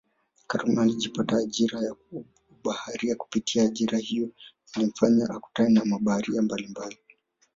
Karume alijipatia ajira ya ubaharia kupitia ajira hiyo ilimfanya akutane na mabaharia mbalimbali